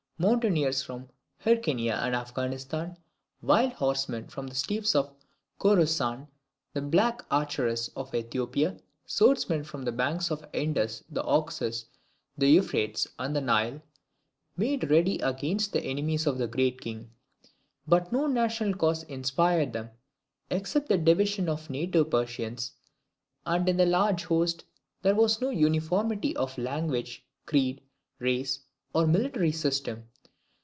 Mountaineers from Hyrcania and Affghanistan, wild horsemen from the steppes of Khorassan, the black archers of Ethiopia, swordsmen from the banks of the Indus, the Oxus, the Euphrates, and the Nile, made ready against the enemies of the Great King. But no national cause inspired them, except the division of native Persians; and in the large host there was no uniformity of language, creed, race, or military system.